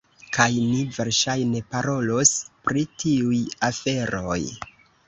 Kaj ni verŝajne parolos pri tiuj aferoj.